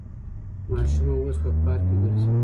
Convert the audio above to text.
ماشومه اوس په پارک کې ګرځي.